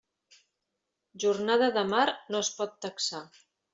Jornada de mar no es pot taxar.